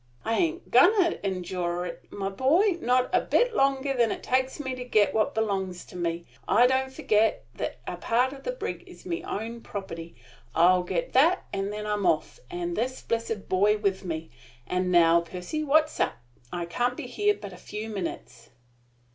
"I aint agoin' to endure it, my boy, not a bit longer than it takes me to get what belongs to me. I don't forget that a part of the brig is my own property. I'll get that, and then I'm off, and this blessed boy with me. And now, Percy, what's up? I can't be here but a few minutes."